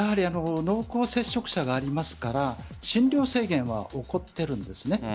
濃厚接触者がありますから診療制限は起こっているんです。